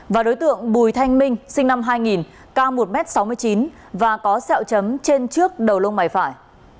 và đối tượng bùi thanh minh sinh năm hai nghìn cao một m sáu mươi chín và có sẹo chấm trên trước đầu lông mày phải